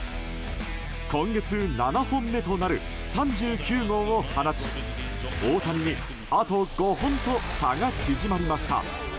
今月７本目となる３９号を放ち大谷に、あと５本と差が縮まりました。